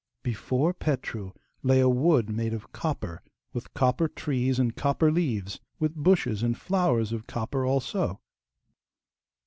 Before Petru lay a wood made of copper, with copper trees and copper leaves, with bushes and flowers of copper also.